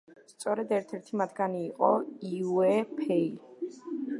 სწორედ ერთ-ერთი მათგანი იყო იუე ფეი.